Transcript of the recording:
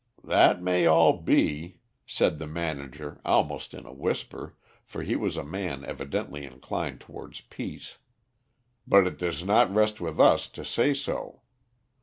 "That may all be," said the manager almost in a whisper, for he was a man evidently inclined towards peace; "but it does not rest with us to say so.